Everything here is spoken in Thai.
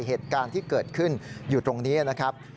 เหตุการณ์ที่เกิดขึ้นอยู่ตรงนี้นะครับ